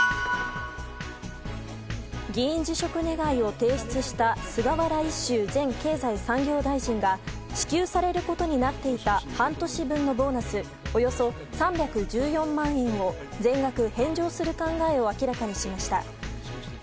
議員辞職願を提出した菅原一秀前経済産業大臣が支給されることになっていた半年分のボーナスおよそ３１４万円を全額返上する考えを明らかにしました。